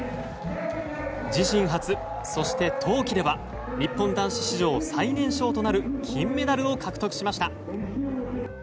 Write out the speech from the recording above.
自身初そして冬季では日本男子史上最年少となる金メダルを獲得しました。